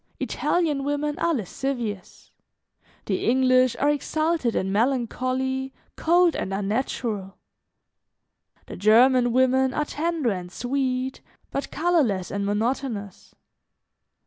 Italian women are lascivious. The English are exalted and melancholy, cold and unnatural. The German women are tender and sweet, but colorless and monotonous.